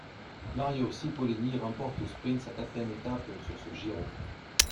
Mario Cipollini remporte au sprint sa quatrième étape sur ce Giro.